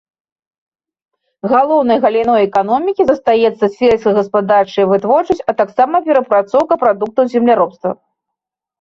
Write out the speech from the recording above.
Галоўнай галіной эканомікі застаецца сельскагаспадарчая вытворчасць, а таксама перапрацоўка прадуктаў земляробства.